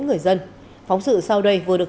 người dân phóng sự sau đây vừa được